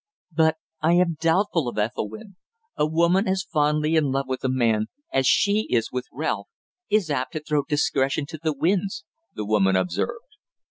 "But I am doubtful of Ethelwynn. A woman as fondly in love with a man, as she is with Ralph, is apt to throw discretion to the winds," the woman observed.